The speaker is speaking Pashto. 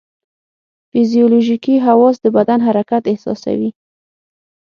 فزیولوژیکي حواس د بدن حرکت احساسوي.